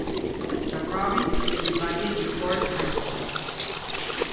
The province is divided in four cantons.